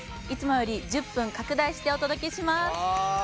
いつもより１０分拡大してお届けします。わ！